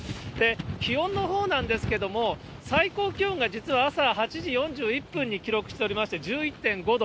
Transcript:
気温のほうなんですけれども、最高気温が実は朝８時４１分に記録しておりまして、１１．５度。